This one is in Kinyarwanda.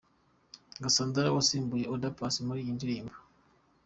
Cassandra wasimbuye Oda Paccy muri iyi ndirimbo.